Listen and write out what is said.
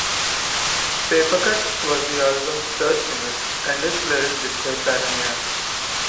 "Papercut" was the album's third single, and its lyrics describe paranoia.